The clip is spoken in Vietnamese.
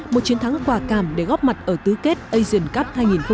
một chiến thắng quả cảm để góp mặt ở tứ kết asian cup hai nghìn một mươi tám